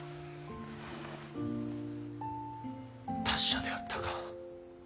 達者であったか。